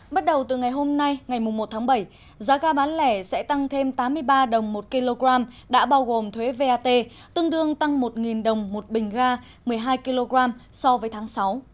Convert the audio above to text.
bắt đầu từ ngày hôm nay ngày một tháng bảy giá ga bán lẻ sẽ tăng thêm tám mươi ba đồng một kg đã bao gồm thuế vat tương đương tăng một đồng một bình ga một mươi hai kg so với tháng sáu